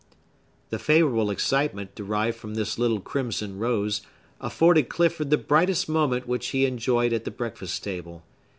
The favorable excitement derived from this little crimson rose afforded Clifford the brightest moment which he enjoyed at the breakfast table.